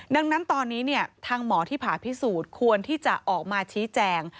ดังนั้นตอนนี้ทางหมอที่ผ่าพิสูจน์ควรที่จะออกมาชี้แจง